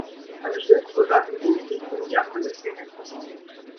Eine Schildkröte hat dem Jugendlichen in die Achillessehne gebissen.